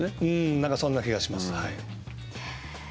なんかそんな気がします。